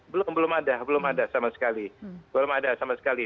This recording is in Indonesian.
belum belum ada belum ada sama sekali